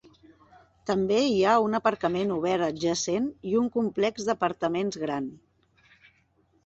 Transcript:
També hi ha un aparcament cobert adjacent i un complex d'apartaments gran.